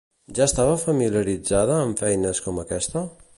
Ja estava familiaritzada amb feines com aquesta?